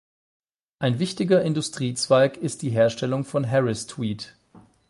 Ein wichtiger Industriezweig ist die Herstellung von Harris-Tweed.